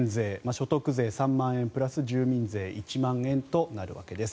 所得税３万円プラス住民税１万円となるわけです。